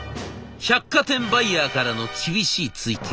百貨店バイヤーからの厳しい追及。